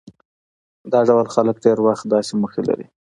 دا ډول خلک ډېری وخت داسې موخې ټاکي.